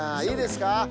いいですか？